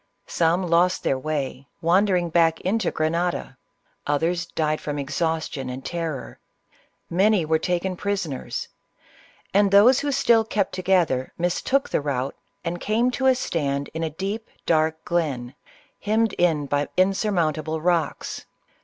Some lost their way, wander ing back into Grenada ; others died from exhaustion and terror ; many were taken prisoners, and those who still kept together mistook the route and came to a stand in a deep, dark glen, hemmed in by insurmount able rocks.